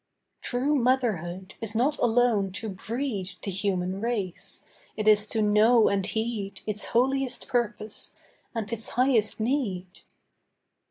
True Motherhood is not alone to breed The human race; it is to know and heed Its holiest purpose and its highest need.